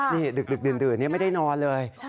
นี่ดึกดื่นไม่ได้นอนเลย